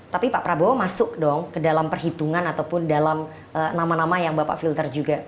tapi pak prabowo masuk dong ke dalam perhitungan ataupun dalam nama nama yang bapak filter juga